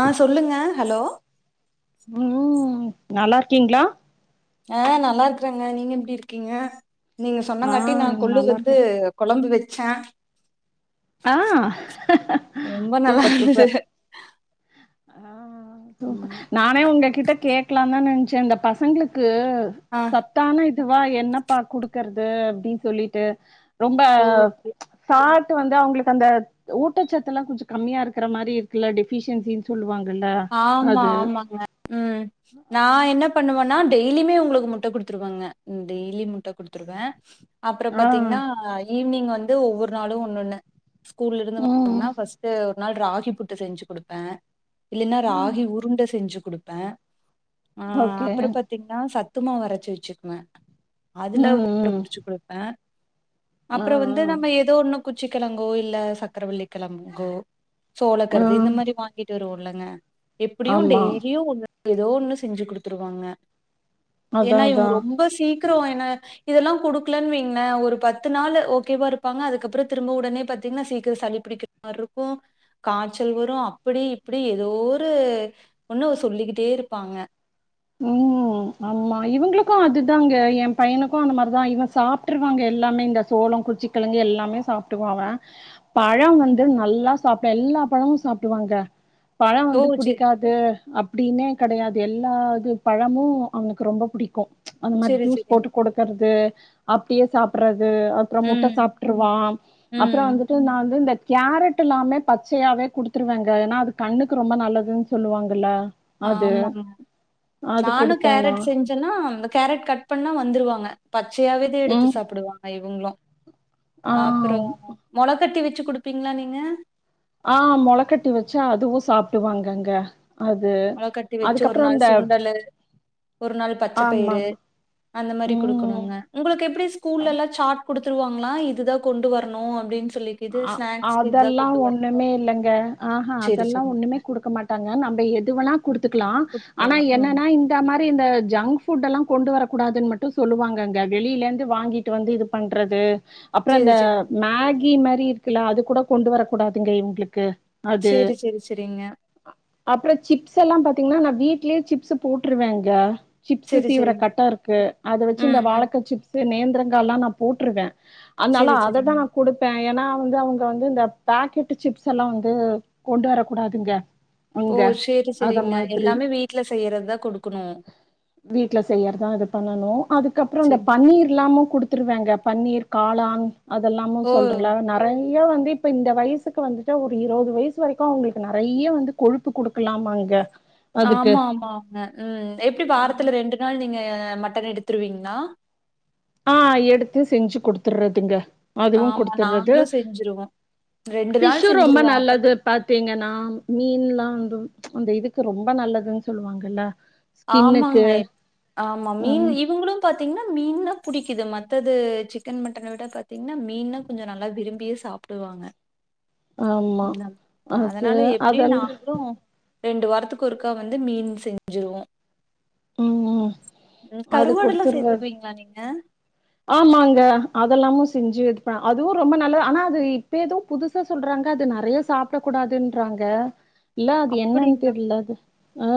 ஆ சொல்லுங்க ஹலோ ம் நல்லாருக்கீங்ளா? ஆ நல்லா இருக்குறங்க நீங்க எப்டி இருக்கீங்க? நீங்க ஆ சொன்னங்காட்டி நா கொல்லு நல்லா சொத்து இருக்கே கொழம்பு வச் சே ஆ நல்லா சூப்பர் இருந்தது சூப்பர் ஆ ம் நானே உங்ககிட்ட கேக்கலான்தா நென ச்சு அந்த பசங்குளுக்கு அ ஆ சத்தான இட் இதுவா என்னப்பா குடுக்கறது அப்டின்னு சொல்லிட்டு ரொம்ப ஓ! சாட் ந்த அவங்களுக்கு அந்த ஊட்டச்சத்துல்லா கொஞ்சொ கம்மியா இருக்கிற மாரி இருக்குல்ல டெபிஷியன்சினு சொல்லுவாங்க ஆமா ஆமாங்க ம் நா என்ன பண்ணுவன்னா டெய்லிய்மே உங்ளுக்கு முட்ட குடுத்துருவாங்க டெய்லியி முட்ட குடுத்ருவே அப்றோ ஆ பாத்தீங்னா ஈவ்னிங் வந் து ஒவ்வொரு நாளு ஒன்னொண்ணு ஸ்கூல்லருந்து வந்த ம் கண ஃபாஸ்ட்டு ஒரு நாள் ராகி புட்டு செஞ்சு குடுப்பே இல்லன்னா ஆ ராகி உருண்ட செஞ்சு குடுப்பே ஆ ஓகே அப்ற பாத்தீங்கன்னா சத் தத்து மாவு அரச்சு வெச்சுக்குவே அதுல உருண்ட ம் ம் புடுச்சுக்கோங்க ஆ அப்றோ வந்து நம்ம ஏதோ ஒண்ணு குச்சிக்கெழங்கோ இல்ல சக்கரவள்ளிக்கெழங்கோ ஆ ஆ சோளக்கருது இந்த மாரி வாங்கிட்டு வருவோ னே எப்புடியு ஆமா டெய்ரியு ஒன்னு எதோ ஒண்ணு செஞ்சு குடுத்துருவாங்க ஏனா அதான் இவங்க அதான் ரொம்ப சீக்கிரோ என்ன இதெல்லாங் குடுக்கலன்னு வைங்களேன் ஒரு பத்து நாள் ஓகேவா இருப்பாங்க அதுக்கப்புறோ திரும்ப உடனே பாத்தீங்கன்னா சீக்கிரோ சளி புடிக்கிற மாரி இருக்கு காய்ச்சல் வரு அப்படி இப் படி எதோரு ஒன்னு சொல்லிக்கிட்டே இருப்பாங்க உம் ஆமா இவங்களுக்கு அதுதாங்க என் பையனுக்கு அந்த மாரிதா இவன் சாப்பிட்டுருவாங்க எல்லாமே இந்த சோளம் குச்சிக்கிழங்கு எல்லாமே சாப்பிட்டுவான் அவன் பழம் வந்து நல்லா சாப்பிடு எல்லா பழமும் சாப்பிடுவாங்க பழம் ஓ வந்து செரி புடிக்காது அப்படின்னே கெடையாது எல்லா பழமும் அவனுக்கு ரொம்ப புடிக்கு அந்த மாரி செரி ஜூஸ் செரி போட்டு கொடுக்கறது அப்படியே சாப்பிடற து அப்புறோ முட்ட ம் சாப்பிட்டுருவான் அப்புறோ ம் வந்துட்டு நான் வந்துட்டு இந்த கேரட் எல்லாமே பச்சயாவே குடுத்துருவேங்க ஏனா அது கண்ணுக்கு ரொம்ப நல்லதுனு சொல்லுவாங்கள்ல ஆமாமா நானு குடுப்பேன்னா கேரட் செஞ்சேன்னா அ கேரட் கட் பண்ணா வந்துருவாங்க பச்சயாவேதா எடுத்து ம் சாப்பிடுவாங்க இவங்களு ஆ அப்ற மொள கட்டி வெச் சு குடுப்பிங்ளா நீங்க ஆ மொளக்கட்டி வெச்சா அதுவு சாப்டுவாங்கங்க அது மொளக்கட்டி வெச்சு ஒரு அதுக்கப்றோ நாள் இந்த சுண்டலு ஒரு நாள் பச்சைப்பயிறு ஆமாமா அந்த மாரி ம் குடுக்கணுங்க உங்களுக்கு எப்படி ஸ்கூல்லெல்லா சாட் குடுத் துருவாங்ளா இதுதா கொண்டு வரணு அப்டின் அ அதெல்லா ஒண்ணுமே இல்லங்க ஆஹா சரி, அதெல்லா சரிங்க. ஒண்ணுமே குடுக்க மாட்டாங்க நம்ப எது வேனா குடுத்துக்லா குடுத்துட்டு ஆனா வரலாம். ம். என்னனா இந்த மாரி இந்த ஜங் ஃபுட்டெல்லா கொண்டு வரக்கூடாதுன் மட்டு சொல்லுவாங்கங்க வெளில இருந்து வாங்கிட்டு வந்து இது பண்றது அப்ற சரி, அந்த சரிங்க. மே கி மாரி இருக்குல்ல அது கூட கொண்டு வர கூடாதுங்க எங்ளுக்கு சேரி சேரி செரிங்க அப்பற சிப்ஸ் எல்லா பாத்திங்னா நா வீட்லேயே சிப்ஸ் போட்ருவேங்க சிப்ஸு சரி, சீவர சரிங்க. கட்ட இருக்கு அத வெச்சு இந்த ம், ம். வாழக்கா சிப்ஸு நேந் தரங்காலா நா போட்ருவ சரி, அதனால சரிங்க. அததா நா குடு ஏனா வந்து அவுங்க வந்து இந்த பாக்கெட்டு சிப்ஸ் எல்லா வந்து கொண்டு வரக்குடாதுங்க ஓ! அங்க சரி, அத சரிங்க. மாதிரி எல்லாமே வீட்ல செய்யறது தான் குடுக்கணும். வீட்டுல செய்யறதா இது பண்ணணு அதுக்கப்புற இந்த சரி. பன்னீர்ல்லாமு குடுத்துருவேங்க பன்னீர் காளான் அதெல்லாமு ஓ! சொல்றன்ல நெறை யா வந்து இப்ப இந்த வயசுக்கு வந்துட்டு ஒரு இருவது வயசு வரைக்கு அவங்களுக்கு நெறைய வந்து கொழுப்பு குடுக்கலாமாங்க அதுக்கு ஆமா ஆமாங்க ம் எப்படி வாரத்துல ரெண்டு நாள் நீங்க மட்டன் எடுத்துருவிங்ளா ஆ எடுத்து செஞ்சு குடுத்துர்றதுங்க அதுவு ஆமா, குடுத்துர்றது நாங்களும் செஞ்சுருவோம். நாள் ஃபிஷ்ஷு ரொம்ப செஞ்சுருவோம். அப்ப நல்லது பாத்திங்கனா மீன்ல்லா அந்த இதுக்கு ரொம்ப நல்லதுன் சொல்லுவாங்கல்ல ஸ்கின்னுக்கு ஆமாங்க ஆமா மீன் ம் இவுங்களு பாத் திங்னா மீன்னா பிடிக்குது மத்தது சிக்கன் மட்டன விட பாத்திங்னா மீன்னா கொஞ்ச நல்லா விரும்பியே சாப்டுவாங்க ஆமா அது அதெல்லா ரெண்டு வாரத்துக்கு ஒருக்கா வந்து மீன் செஞ்சுருவோ ம் ம் அது கருவாடு எல்லா குடுத்துர்றது சேத்துக்குவிங்ளா நீங்க ஆமாங்க அதெல்லாமு செஞ்சு இது ப அதுவு ரொம்ப நல்லது ஆனா அது இப்ப ஏதோ புதுசா சொல்றாங்க அது நெறய சாப்ட கூடாதுன்றாங்க இல்ல அது என்னன் அப்படிங்களா? தெர்ல அது ஆ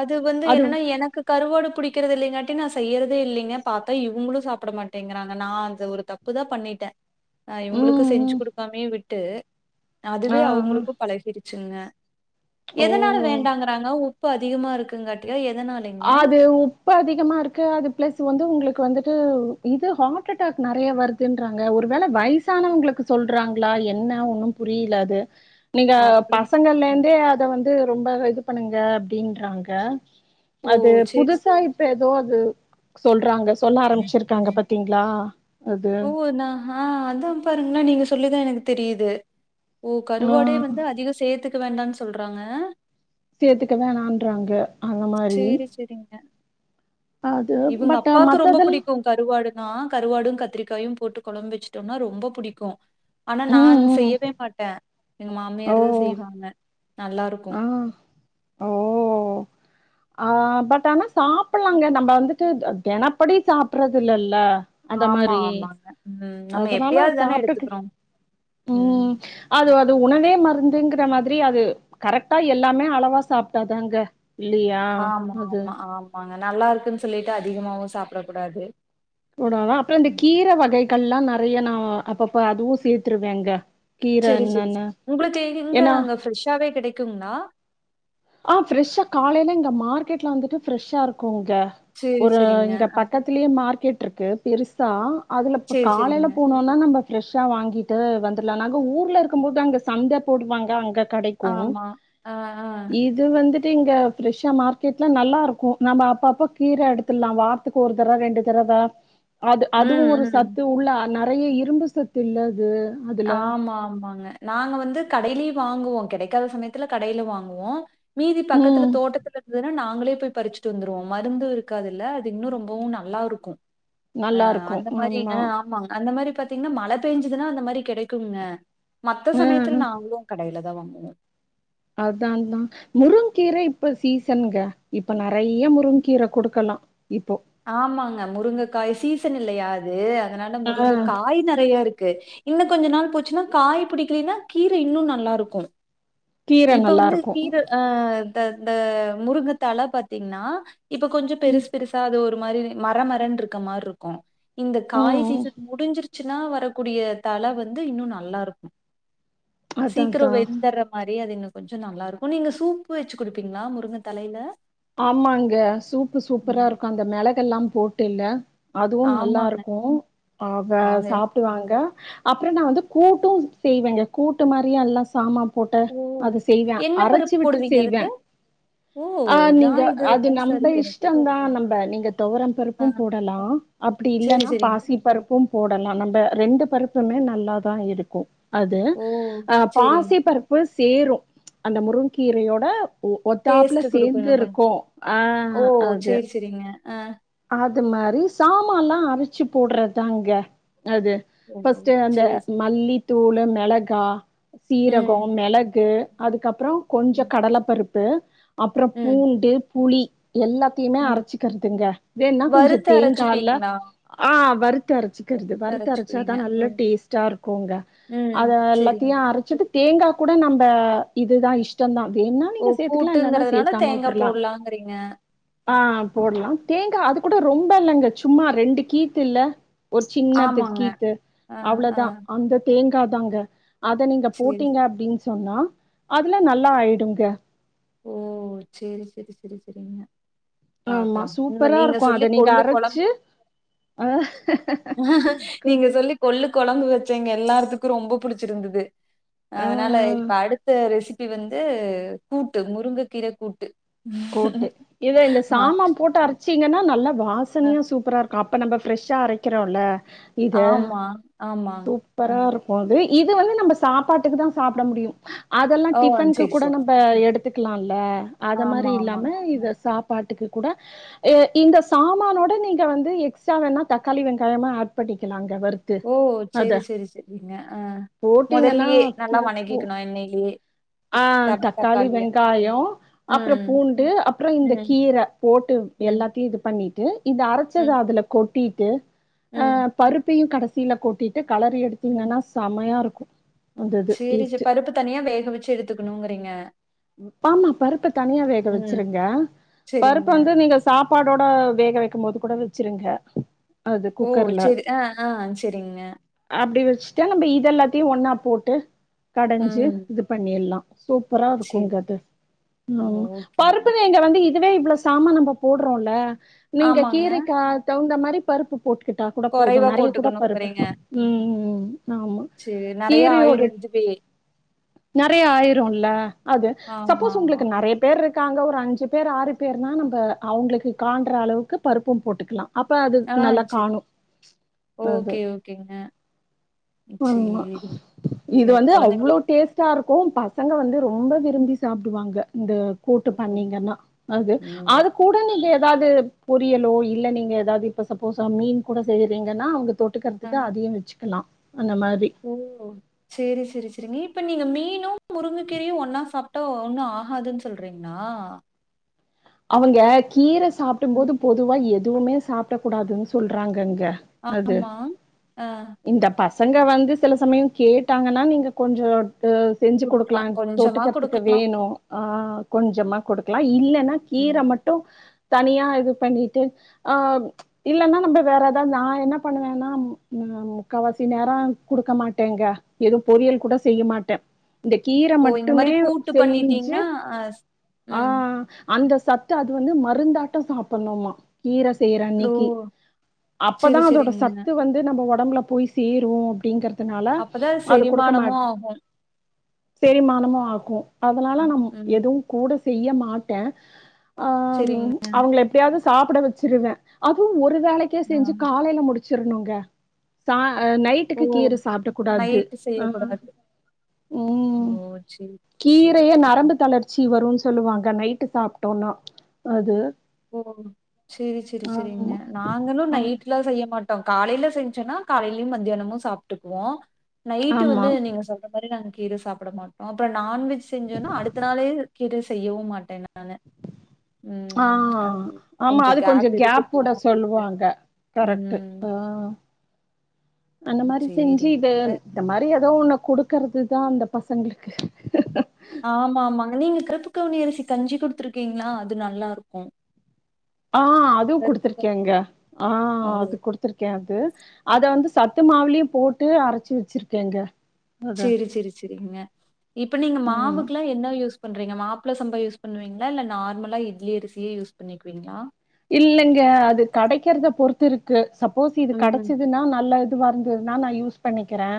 அது வந்து அது என்னன்னா எனக்கு கருவாடு பிடிக்கிறது இல்லாட்டி நான் செய்யறதே இல்லைங்க பாத்தா இவங்களும் சாப்பிட மாட்டேங்கிறாங்க நான் அந்த ஒரு தப்புதா பண்ணிட்ட அ இவங்களுக்கு ம் செஞ்சு ம் குடுக்காமயே விட்டு ஆ அதுவே அவங்களுக்கும் பழகிடுச்சுங்க ஆ எதனால ஓ வேண்டாங்கறாங்க இப்போ அதிகமா இருக்குங்காட்டி அது உப்பு அதிகமா இருக்கு அது பிளஸ் வந் உங்களுக்கு வந்துட்டு இது ஹார்ட் அட்டாக் நிறைய வருதுன்றாங்க ஒருவேள வயசானவங்களுக்கு சொல்றாங்களா என்ன ஒன்னு புரியலது நீங்க அப்டி பசங்கள்ல இருந்தே அத வந்து ரொம்ப இது பண்ணுங்க அப்டின்றாங்க ஓ அது சேரி புதுசா இப்ப அது சொல்றாங்க சொல்ல ஆரம்பிச்சிருக்காங்க பாத்தீங்களா? அது ஓ நா ஆ அத பாருங்கள நீங்க சொல்லிதான் எனக்கு தெரியுது ஓ ஆ கருவாடே வந்து அதிகம் சேத்து க்க வேண்டான்னு சொல்றாங்க சேத்துக்க வேணான்றாங்க அந்த மாரி சேரி சேரிங்க அது இவங்க பட் அப்பாக்கு ரொம்ப மத்ததெல்லாம் புடிக்கும் கருவாடு நா கருவாடும் கத்திரிக்காயும் போட்டு கொழம்பு வச்சட்டோம்னா ரொம்ப பிடிக்கும். ஆனா ம் நான் ம். செய்யவே மாட்டே எங்க ஓ! மாமியார்த செய்வாங்க ஆ. நல்லாருக்கும் ஓ! ஆ பட் ஆனா சாப்பலாங்க நம்ம வந்துட்டு தினப்படி சாப்றது இல்லல்ல அந்த ஆமா, மாரி ஆமாங்க. ம். நம்ம அதனால எப்பயாவது தானே சாப்டுக்கு எடுத்துக்கிறோம். ம் அது அது உணவே மருந் துங்கற மாதிரி அது கரெக்டா எல்லாமே அளவா சாப்ட்டாதாங்க இல்லியா அது நல்லா இருக்குன்னு சொல்லிட்டு அதிகமாவு சாப்டக் கூடாது கூடாலா அப்புற இந்த கீர வகை மக்கள்லா நெறைய நா அப்பப்ப அதுவு சேத்தருவேங்க சரி சரி உங்களுக்கு எங்க நாங்க ஃப்ரெஷ்ஷாவே கெடைக்குங்ளா ஆஹ்ஃப்ரெஷ்ஷா காலைல இங்க மார்க்கெட்லா வந்துட்டு ஃரெஷ்ஷா இருக்கு ங்க சரி, ஒரு சரிங்க. இங்க பக்கத்திலயே மார்க்கெட் ருக்கு பெருசா அதுல ப் சரி, காலையில சரிங்க. போனோனா நம்ப ஃப்ரெஷ்ஷா வாங்கிட்டு வந்துட்லா நாங்க ஊர்லருக்கும்போது அங்க சந்த போடுவாங்க அங்க ஆமா ஆ ஆ து வந்துட்டு இங்க ப்ரெஷ்ஷா மார்க்கெட்ல நல்லாருக்கூ நம்ம அப்பப்ப கீர எடுத்துட்லா வார்த்தக்கு ஒரு தர ரெண்டு தரவ அத் அதுவூ ம், ஒரு ம். சத்து உள்ள நர் றைய இரும்பு சத்துள்ளது ஆமா ஆமாங்க நாங்க வந்து கடையிலயூ வாங்குவோ கெடைக்காத சமயத்துல கடையில வாங்குவோ மீதி பக்கத்துல ம். தோட்டத்து இருந்துதுன்னா நாங் ங்களே போய் பறிச்சுட்டு வந்துருவோ மருந்து இருக்காதுல்ல அது இன்னூ ரொம்பவூ நல்லாருக்கூ ம் ஆ நல்லா இருக்கும். அந்த மாரி ஆ ஆமா. ஆமாங்க அந்த மாரி பாத்தீங்னா மழ பேஞ்சுதுனா அ மாரி கெடைக்கூங்க மத்த ஆ சமயத்தில நாங்களூ கடையில தா வாங்குவோ அதா அதா முருங்க்கீர இப்ப சீசனுங்க இப்ப நறைய முருங்க்கீர குடுக்லா இப்போ ஆமாங்க முருங்கக்காய் சீசன் இல்லையா அது தனால ஆ. முருங்க காய் நறைய இருக் கு இன்னூ கொஞ்ச நாள் போச்சுன்னா காய் புடிக்கலன்னா கீர இன்னூ நல்லாருக்கூ கீர இப்ப நல்லா வந்து இருக்கு கீர ஆ இந்தந்த முருங்க தழ பாத்தீங்னா த இப்ப கொஞ்சொ ம் பெருசு பெருசா அது ஒரு ஒரு மாரி மரமரன்றுக்க மாரி இருக்கூ இந்த காய் ம் ம் சீசன் முடிஞ்சிருச் ச்சுனா வரக்கூடிய தழ வந்து இன்னூ நல்லாருக் அதா சீக்கரோ அதா வெந்தர்ர மாரி அது இன்னு கொஞ்சொ நல்லாருக்கூ நீங்க சூப்பு வச்சு குடுப்பீங்களா முருங்க தழையில ஆமாங்க சூப்பு சூப்பராருக்கூ அந்த மெளக் எல்லா போட்டுல்ல அதுவூ ஆமாங்க. நல்லாருக்கூ ஆக நாங்க சாப்டுவாங்க அப்றோ நா வந்து கூட்டூ செய்வேங்க கூட்டு மாறியே எல்லா சாமா போட்டு ஓ! அது செய்வே என்ன அரச்சு பருப்பு விட்டு போடுவீங்க செய்வே அதுக்கு? ஓ! ஆ நீங்க இதான் இது அது புதுசா நம்ப இருக்கு எனக்கு. இஷ்டோந்தா நம்ப நீங்க தொவரம் ஆ பருப்பும் போடலா அப்டி சரி, இல்லன்னா சரிங்க. பாசிப்பருப்பும் போடலா நம்ப ரெண்டு பருப்புமே நல்லாதா இருக்கும் அது ஓ! அஹ் சரிங்க. பாசி பருப்பு சேரும் அந்த முருங்கீரயோட ஒ டேஸ்ட் ஒத்தாப்லஸ் குடுக்கும் இன்னும் கொஞ்சம். ங்கருக்கும் ஆஹ் அது ஆஹ் அது மாறி சாமான்லா அரச்சு போட்றதாங்க அது ஓ ஃபஸ்ட்டு அந்த சேரி மல்லி தூளு மெளகா ம் சீரகொம் மெளகு அதுக்கப்றொம் கொஞ்ச ம் கடலபருப் ப அப்ற ம் பூண்டு புளி எல்லாத்யுமே ம் அரச்சிக்கற்துங்க வேன்னா கொஞ்ச வறுத்து தேங்கால்ல அரச்சுப்பீங்களா அ ஆ வறுத் து அரச்சுக்கற்து வறுத்து அரச்சுக்குவீங்க அரச்சாதான் நல்ல ம் டேஸ்ட்டாருக்குங்க அத ம் எல்லாத்தியு செரிங்க அரச்சிட்டு தேங்கா குட நம்ப இதுதான் இஷ்டந்தான் வேன்னா ஓ நீங்க சேத்துக்கலாம் இல்லனா கூட்டுங்கறதுனால சேக்காம தேங்கா உட்ரலா போடலாங்கறீங்க ஆஹ் போட்லா ஏங்க அது கூட ரொம்ப இல்லங்க சும்மா ரெண்டு கீ்த்துல்ல ஒரு சின்னத்து ஆமாங்க கீத்து ஆ ஆ அவ்ளோதான் அந்த தேங் காதாங்க அத நீங்க சேரி போட்டீங்க அப்டின் சொன்னா அதுலா நல்லா ஆயிடுங்க ஓ சேரி சேரி செரி செரிங்க ஆமா பாக்லான் ஒங்க சூப்பரா நீங்க இருக்கும். அத சொல்லி நீங்க கொள்ளு கொலம்பு அரச்சு அ கு நீங்க சொல்லி கொள்ளு கொலம்பு வெச் சேங்க எல்லார்த்துக்கும் ரொம்ப புடிச்சிருந்துது ஆ அதனால இப்ப அடுத்த ரெசிப் டி வந்து கூப் டு முருங்க கீர கூட்டு கோட்டு இத இந்த ஆ சாமா போட்டு அரச்சிங்கனா நல்லா ஆ. வாசனயா சூப்பராருக் அப்ப நம்ப ஃப்ரெஷ்ஷா அரக்கிறோல்ல இத ஆமா ஆமா ஆ சூப்பரா இருக்கு அது இது வந்து நம்ம சாப்பாட்டுக்கு தா சாப்பிட முடியு அதெல்லா ஓ டிஃப்ன்க்கு செரி கூட செரி நம்ம எடுத் துக்கிலா இல்ல அது மா ஆமா திரி இல்லாம ஆமாங்க. இத சாப்பாட்டுக்கு கூட இந்த சாமானோட நீங்க வந்து எக்ஸ்ட்ரா வேணா தக்காளி வெங்காயமா ஏட் பண்ணிக்கலாங் ஓ செரி செரி செரிங்க அ போட்டீங்கன்னா முதல்லயே நல்லா தூக்கு வணங்கிக்கணு எண்ணெய்லியே ஆ தக் தக்காளி, தக்காளியே உம் ண்டு அப்றோ இந்த கீர போட்டு ம். எல்லாத்தையு இது பண்ணி பண்ணிட்டு இந்த அரைச்சத ம். அதுல கொட் டிட்டு ம். ஆஹ் பருப்பையு கட சில கொட்டிட் டு கலறி எடுத்தீங்கன்னா செமையா இருந் சேரி [unintelligible] பருப்பு தனியா வேக வச்சு எடுத்துக்கணுங்கிறீங்க ஆமா பருப்ப தனியா வேக ம். வச்சிருங்க பருப்பு சரிங்க. வந்து நீங்க சாப் பாடோட வேக வெக்கு போது கூட வச்சிருங்க அது ஓ குக்கர்ல சரி ஆஹ் ஆஹ் சரிங்க வச்ட்டா நம்ம இத எல்லாத்தையு ஒன்னா போட்டு கடஞ்சு ம். இது பண்ணிடலா சூப்பர் சரி. [inaudible] ம் ஓகேங்க. பருப்பு ஏங்க வந்து இ துவே இவலோ சாமான் நம்ம போட்றோல்ல நீங்க ஆமாங்க. கீரைக்கா தகுந்த மா திரி பருப்பு போட்டுக்கிட்டா கூட போது குறைவா நெறைய கூட பருப்பு போட்டுக்கணுங்கிறீங்க. ம் ம். ஆமா சரி நெறைய கீரையோட ஆயிரு இதுவே நெறைய ஆயிரு இல்ல அது ஆமா, சப்போஸ் ஆமா. உங்களுக்கு நெறைய ம். பேர் இருக்காங்க இப்ப அஞ்சு பேர் ஆறு பேர்னா நம்ப அவங்களுக்கு கான்ற அளவுக்கு பருப்பும் போட்டுக்கலா அப்ப அது ஆ நல்லா சரி. காணு அது ஓகே, ஓகேங்க. ஆமா சரி. இது சரி. வந்து குழந்தைங்களுக்கு அவ்வளவு டேஸ்ட்டா இருக் கும் பசங்க வந்து ரொம்ப விரும்பி சாப்பிடுவாங்க இந்த கூட்டு பண்ணீங்கன்னா அது அது கூட நீங்க ஏதாவது பொரியலோ இல்ல நீங்க ஏதாவது இப்ப சப்போஸ் மீன் கூட செய்யறீங்கன்னா அங்க தொட் ஆ தொட்டுக்றதுக்கு அதையும் வச்சுக்கலா ஓ சேரி சேரி சரி நீ இப்ப நீங்க மீனு முருங்கக்கீரையு ஒன்னா சாப்ட்டா ஒன்னு ஆகாதுன் சொல்றீங்களா அவங்க கீர சாப்டும் ம் போது பொதுவா எ துவுமே சாப்பிட கூடாதுன் சொல்றாங்கன் க அது ஆமா ஆ இந்த பச சங்க வந்து சில சமயம் கேட்டாங்கன்னா நீங்க கொஞ்சம் செஞ்சு குடுக்கலா கொடுக்கலா கொஞ்சமா தொட்டுக்றதுக்கு குடுக்கலா வேணு ஆஹ் கொஞ்சமா கொடுக்கலா இல்லைன்னா கீர ம் மட்டும் தனியா இது பண்ணிட்டு ஆஹ் இல்லைன்னா நம்ம வேற ஏதாவது நா என்ன பண்ணுவேனா முக்காவாசி நேரம் கொடுக்க மாட்டேங்க எதுவு பொறியல் கூட செய்ய மாட்டே இந்த கீர ஓ இந்த மட்டுமே மாரி கூட்டு செய்ஞ்சு பண்ணிட்டீங்கன்னா ஆ ஸ்- ம் ஆஹ் அந்த சத்து அது வந்து மருந்தாட்டோ சாப்பிடணுமா கீர செய்யற ஓ அன்னைக்கு அப்பதா சேரி அதோட சேரிங்க சத்து வந்து நம்ம ஒ டம்புல போய் சேரு அப்டிங்கர் அப்பதா அது செரிமானமு ஆகு செரிமானமு ஆகு அதனால நம் ம் எதுவு கூட செய்ய மாட் டே செரிங்கே சாப்பட வெச்சிருவே அதுவு ஒர் ஒரு வேலைக்கே ஆ செஞ்சி காலையில முடிச் ச்சிருனுங்க சா ஓ நைட்டுக்கு கீரே சாப்பட கூடாது நைட்டு ஆ செய்யக்கூடாது ம் ஓ சேரி சேரி கீரேயே சேரி ம் நரம்பு தளர்ச்சி வரு சொல்லுவாங்க நைட் விட்டு சாப்ட்டோனா அது ஓ சேரி சேரி சேரிங்க ஆமா நாங்களு ஆ நைட்லா செய்ய மாட்டோ டோம் காலையில செஞ்சோன்னா காலையிலையு மத்தியானமு சாப்ட்டுக்குவோ நைட்டு ஆமா வந்து நீங்க சொல்ற மாரி நாங்க கீர சாப்டமாட்டோ பர் நான்வெஜ் செஞ்சோன்னா அடுத்த நாளே கீர செய்யவு மாட்டே நா நானு ஆ ம் அது ஆமா அது கொஞ்சோ கேப் உட சொல்லுவாங்க கரெக்ட்டு ம் ஆ அந்த மாரி செஞ்சி இது சேரிங்க இந்த மாரி [unintelligible] ஏதே ஒன்ன குடுக்கறது தா அந்த பசங்களுக்கு ஆமா ஆமாங்க நீங்க கர்ப்பு கவுனி அரிசி கஞ்சி குடுத்துருக்கீங்களா அது நல்லா இருக்கு ஆ அதுவு கருப்பு குடுத்துருக்கேங்க கவுனி ஆ ஓ அது குடுத்துருக்கே அது அத வந்து சத்து மாவுளையு போட்டு அரச்சு வெச்சிருக்கேங்க சேரி சேரி சேரிங்க இப்ப நீங்க ம் மாவுக்குலா என்ன யூஸ் பண்றிங்க மாப்பள சம்பா யூஸ் பண்ணுவீங்களா இல்ல நார்மல இட்லி அரிசியே யூஸ் பண்ணிக்குவீங்களா இல்லங்க அது கடைக்கிறத பொறுத்து இருக்கு சப்போஸ் இது ம். கடச்சதுன்னா நல்ல இது வந்தது நான யூஸ் பண்ணிக்கிறே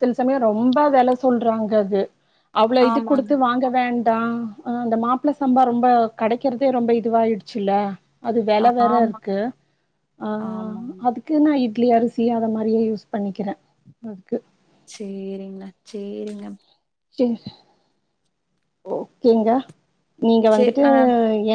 சில சமயோ ரொம்ப வெல சொல்றாங்க அது அவ்ளோ இது ஆமாங்க. குடுத்து வாங்க வேண் ஆ அந்த மாப்பிள சம்பா ரொம்ப கெடைக்கிறதே ரொம்ப இதுவாயிடுச்சுல்ல அது வெல வேற ஆமா, இருக்கு ஆ ஆமாங்க. அதுக்கு என்னா இட்லி அரிசி அத மாரியே யூஸ் பண்ணிக்கிற அதுக்கு சேரிங்ண்ணா சேரிங்க [unintelligible] ஓகேங்க நீங்க சே வந்துட்டு அ ஏ